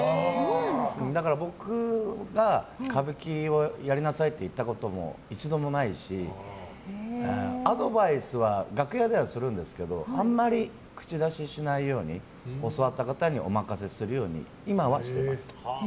だから僕が歌舞伎をやりなさいって言ったことも一度もないしアドバイスは楽屋ではするんですけどあまり口出ししないように教わった方にお任せするように今はしてます。